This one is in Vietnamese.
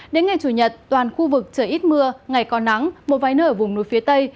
đến ngày chủ nhật toàn khu vực trời ít mưa ngày còn nắng một váy nơi ở vùng núi phía tây